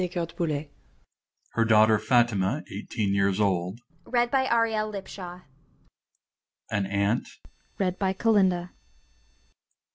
Her daughter FATIMA, eighteen years old. AN AUNT.